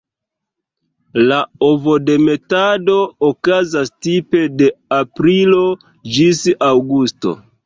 La ovodemetado okazas tipe de aprilo ĝis aŭgusto.